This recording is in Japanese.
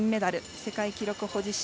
世界記録保持者